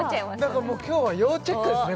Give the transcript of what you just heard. だからもう今日は要チェックですね